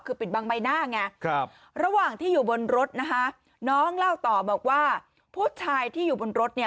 คือปิดบังใบหน้าไงครับระหว่างที่อยู่บนรถนะคะน้องเล่าต่อบอกว่าผู้ชายที่อยู่บนรถเนี่ย